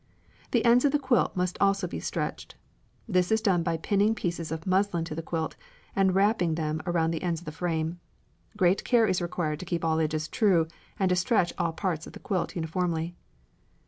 The ends of the quilt must also be stretched. This is done by pinning pieces of muslin to the quilt and wrapping them around the ends of the frame. Great care is required to keep all edges true and to stretch all parts of the quilt uniformly.